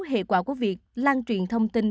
hệ quả của việc lan truyền thông tin